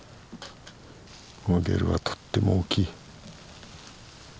このゲルはとっても大きい。